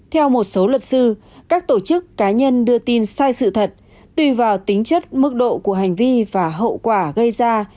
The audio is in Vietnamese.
theo một số luật sư các tổ chức cá nhân đưa tin sai sự thật tùy vào tính chất mức độ của hành vi và hậu quả gây ra